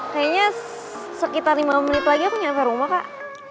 kayanya sekitar lima menit lagi aku nyari ke rumah kak